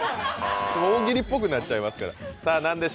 大喜利っぽくなっちゃいますから。